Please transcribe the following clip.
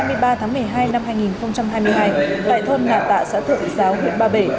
đến ngày hai mươi tháng sáu năm hai nghìn hai mươi ba đại thân nạ tạ xã thượng giáo huyện ba bể